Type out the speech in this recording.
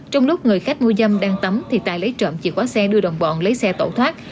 trong lúc người khách mua dâm đang tắm thì tài lấy trộm chìa khóa xe đưa đồng bọn lấy xe tẩu thoát